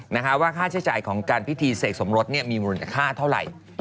นะคะว่าค่าใช้จ่ายของการพิธีเสกสมรสเนี่ยมีมูลค่าเท่าไหร่